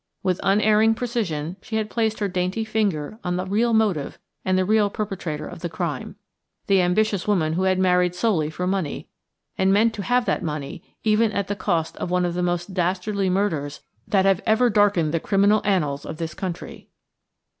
With unerring precision she had placed her dainty finger on the real motive and the real perpetrator of the crime–the ambitious woman who had married solely for money, and meant to have that money even at the cost of one of the most dastardly murders that have ever darkened the criminal annals of this country.